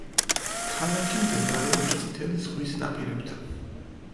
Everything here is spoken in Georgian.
ქალაქი მდებარეობს წითელი ზღვის ნაპირებთან.